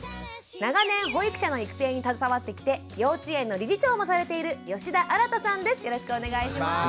長年保育者の育成に携わってきて幼稚園の理事長もされているよろしくお願いします。